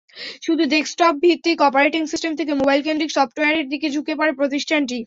শুধু ডেস্কটপভিত্তিক operating system থেকে মোবাইলকেন্দ্রিক সফটওয়্যারের দিকে ঝুঁকে পড়ে প্রতিষ্ঠানটি।